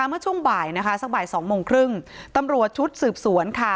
เมื่อช่วงบ่ายนะคะสักบ่ายสองโมงครึ่งตำรวจชุดสืบสวนค่ะ